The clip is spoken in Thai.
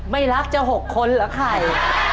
ไม่รักจะ๖คนเหรอไข่